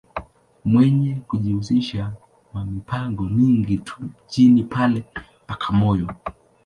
Mwenye kujihusisha ma mipango mingi tu mjini pale, Bagamoyo.